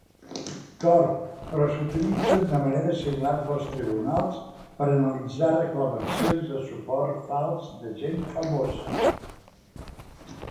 Corp., però s'utilitzen de manera similar pels tribunals per analitzar reclamacions de suport fals de gent famosa.